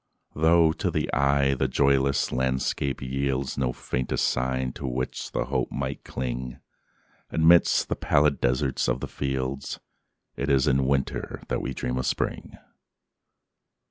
Though, to the eye, the joyless landscape yieldsNo faintest sign to which the hope might cling,—Amidst the pallid desert of the fields,—It is in Winter that we dream of Spring.